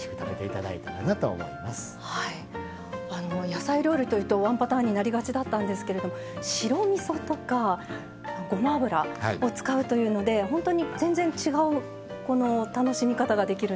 野菜料理というとワンパターンになりがちだったんですけれども白みそとかごま油を使うというのでほんとに全然違うこの楽しみ方ができるんですね。